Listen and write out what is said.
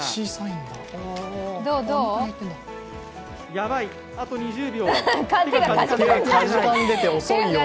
やばい、あと２０秒。